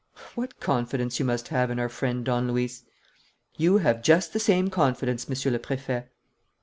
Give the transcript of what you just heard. "What confidence you must have in our friend Don Luis!" "You have just the same confidence, Monsieur le Préfet."